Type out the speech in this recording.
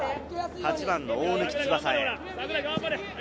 ８番の大貫翼へ。